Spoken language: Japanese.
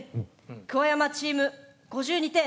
桑山チーム５２点。